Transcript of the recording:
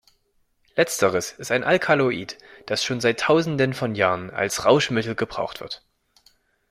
Letzteres ist ein Alkaloid das schon seit Tausenden von Jahren als Rauschmittel gebraucht wird.